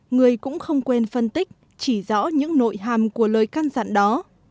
người cũng không quên phân tích chỉ rõ những nội hàm của lời can dặn đó